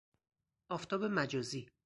آفتاب مجازی